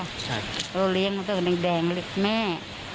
ใช่เขาเรียกมันต้องเป็นแดงแดงเขาเรียกแม่